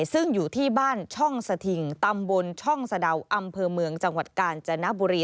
ซึ่งอยู่ที่บ้านช่องสถิงตำบลช่องสะดาวอำเภอเมืองจังหวัดกาญจนบุรี